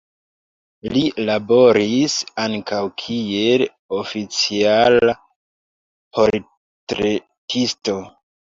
Li laboris ankaŭ kiel oficiala portretisto.